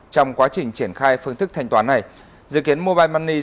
trong quá trình triển khai phương thức thanh toán này